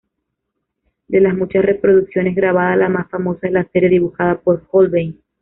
De las muchas reproducciones grabadas, la más famosa es la serie dibujada por Holbein.